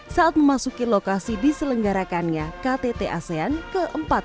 saat memasuki lokasi diselenggarakannya ktt asean ke empat puluh lima